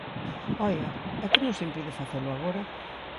Oia, ¿e que nos impide facelo agora?